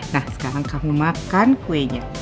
nah sekarang kamu makan kuenya